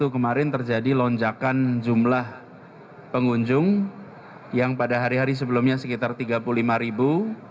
kemarin terjadi lonjakan jumlah pengunjung yang pada hari hari sebelumnya sekitar tiga puluh lima ribu